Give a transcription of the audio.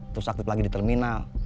terus aktif lagi di terminal